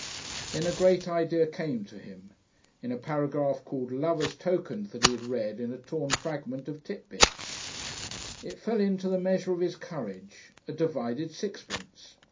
Then a great idea came to him, in a paragraph called "Lovers' Tokens" that he read in a torn fragment of Tit Bits. It fell in to the measure of his courage a divided sixpence!